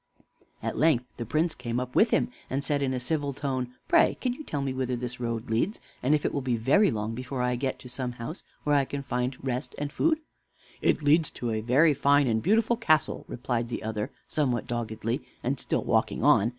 At length the Prince came up with him, and said in a civil tone, "Pray can you tell me whither this road leads, and if it will be very long before I get to some house where I can find rest and food?" "It leads to a very fine and beautiful castle," replied the other somewhat doggedly, and still walking on.